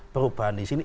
perubahan di sini